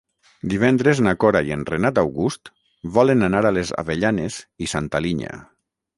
Divendres na Cora i en Renat August volen anar a les Avellanes i Santa Linya.